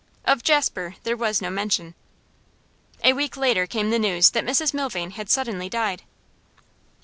Of Jasper there was no mention. A week later came the news that Mrs Milvain had suddenly died.